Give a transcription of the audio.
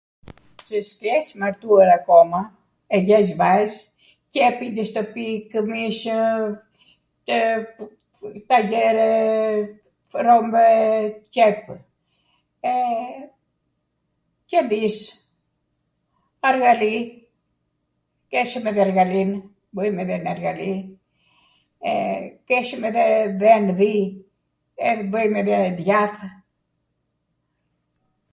qw s'jesh martuar akoma e jesh vajz, qepij ndw shtwpi kwmishw, tajere, rombe, qepw. E, qendis, arghali, keshwm edhe arghalin, bwjm edhe nw arghali, keshwm edhe dhen, dhi, e bwjm edhe djath...